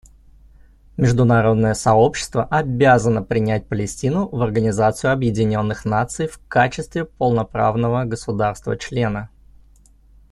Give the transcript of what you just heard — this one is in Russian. Международное сообщество обязано принять Палестину в Организацию Объединенных Наций в качестве полноправного государства-члена.